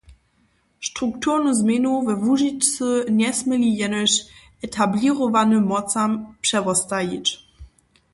Strukturnu změnu we Łužicy njesměli jenož etablěrowanym mocam přewostajić.